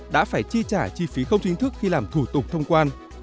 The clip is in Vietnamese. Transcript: đã phải chi trả chi phí không chính thức khi làm thủ tục thông quan